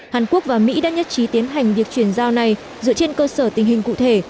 hàn quốc và mỹ đã nhất trí tiến hành việc chuyển giao này dựa trên cơ sở tình hình cụ thể